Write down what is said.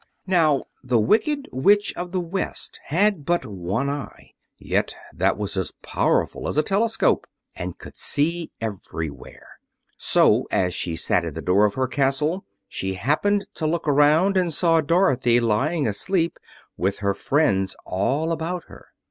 Now the Wicked Witch of the West had but one eye, yet that was as powerful as a telescope, and could see everywhere. So, as she sat in the door of her castle, she happened to look around and saw Dorothy lying asleep, with her friends all about her.